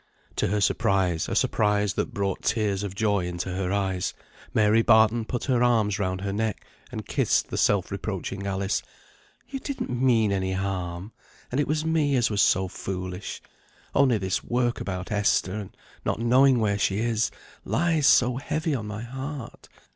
To her surprise, a surprise that brought tears of joy into her eyes, Mary Barton put her arms round her neck, and kissed the self reproaching Alice. "You didn't mean any harm, and it was me as was so foolish; only this work about Esther, and not knowing where she is, lies so heavy on my heart.